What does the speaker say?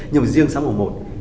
nhưng mà riêng sáng mùa một